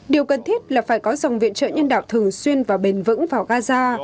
điều cần thiết là phải có dòng viện trợ nhân đạo thường xuyên và bền vững vào gaza